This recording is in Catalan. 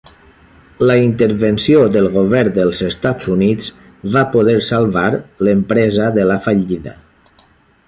La intervenció del Govern dels Estats Units va poder salvar l'empresa de la fallida.